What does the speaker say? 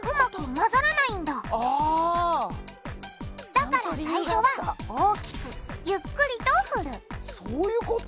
だから最初は大きくゆっくりと振るそういうこと！